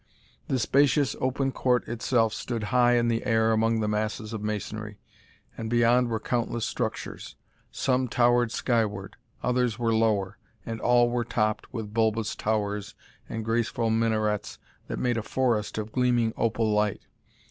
The spacious, open court itself stood high in the air among the masses of masonry, and beyond were countless structures. Some towered skyward; others were lower; and all were topped with bulbous towers and graceful minarets that made a forest of gleaming opal light.